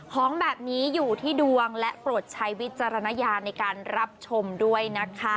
ของแบบนี้อยู่ที่ดวงและโปรดใช้วิจารณญาณในการรับชมด้วยนะคะ